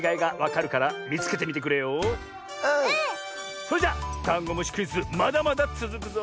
それじゃダンゴムシクイズまだまだつづくぞ！